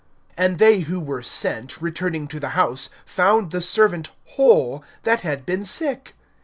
(10)And they who were sent, returning to the house, found the servant whole that had been sick.